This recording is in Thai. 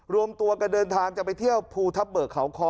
รวมตัวกันเดินทางจะไปเที่ยวภูทับเบิกเขาคอ